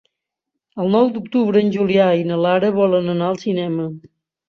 El nou d'octubre en Julià i na Lara volen anar al cinema.